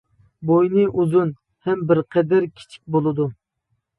بوينى ئۇزۇن ھەم بىرقەدەر كىچىك بولىدۇ.